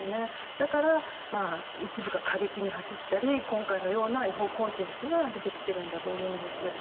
だから、一部が過激に走ったり今回のような違法コンテンツが出てきているんだと思うんです。